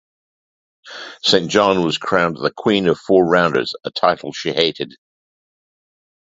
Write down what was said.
Saint John was crowned the "Queen of the Four-Rounders", a title she hated.